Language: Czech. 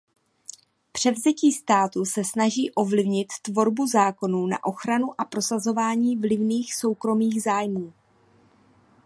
Převzetí státu se snaží ovlivnit tvorbu zákonů na ochranu a prosazování vlivných soukromých zájmů.